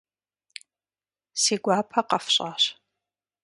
Си гуапэ къэфщӀащ.